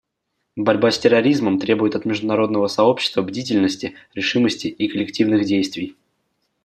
Борьба с терроризмом требует от международного сообщества бдительности, решимости и коллективных действий.